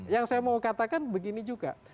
yang saya mau katakan begini juga